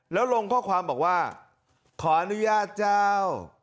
แล้วลงข้อความบอกว่าขออนุญาตเจ้า